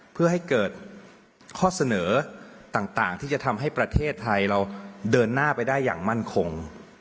เพื่อให้เกิดข้อเสนอต่างที่จะทำให้ประเทศไทยเราเดินหน้าไปได้อย่างมั่นคง